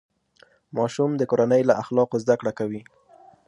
ماشوم د کورنۍ له اخلاقو زده کړه کوي.